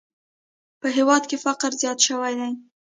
په هېواد کې فقر زیات شوی دی!